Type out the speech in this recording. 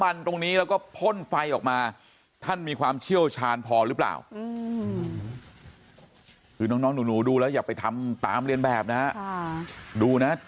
ไม่รู้อมจะน้ำหรือน้ำมัน